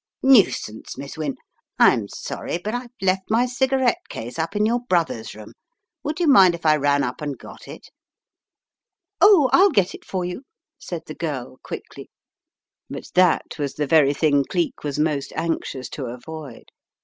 "Nuisance, Miss Wynne. I am sorry, but I've left my cigarette case up in your brother's room. Would you mind if I ran up and got it? "" Oh, I'll get it for you," said the girl, quickly. But In the Doctor's Surgery 189 that was the very thing Cleek was most anxious to avoid.